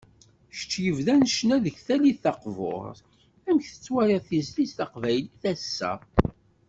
Kečč yebdan ccna deg tallit taqburt, amek tettwaliḍ tizlit taqbaylit ass-a?